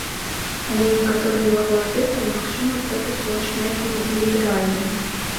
Але некаторыя яго артыкулы, магчыма, зробяць больш мяккімі і ліберальнымі.